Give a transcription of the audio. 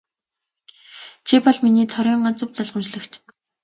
Чи бол миний цорын ганц өв залгамжлагч.